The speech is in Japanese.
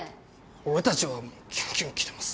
俺たちはキュンキュンきてます。